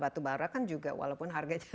batubara kan juga walaupun harganya